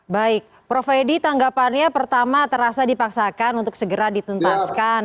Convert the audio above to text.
baik prof edi tanggapannya pertama terasa dipaksakan untuk segera ditentaskan